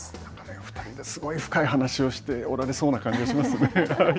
２人ですごい深い話をしておられそうな感じがします。